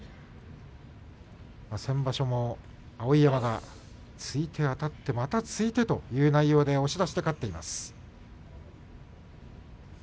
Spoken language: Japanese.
先場所も碧山が突いてあたってまた突いてという内容で押し出しで勝っています。